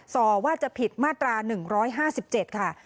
ส่อว่าจะผิดมาตรา๑๕๗ค่ะ